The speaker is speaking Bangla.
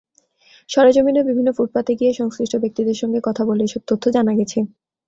সরেজমিনে বিভিন্ন ফুটপাতে গিয়ে সংশ্লিষ্ট ব্যক্তিদের সঙ্গে কথা বলে এসব তথ্য জানা গেছে।